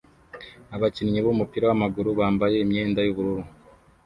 Abakinnyi bumupira wamaguru bambaye imyenda yubururu